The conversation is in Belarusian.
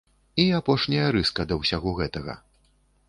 І апошняя рыска да ўсяго гэтага.